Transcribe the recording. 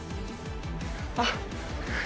あっ！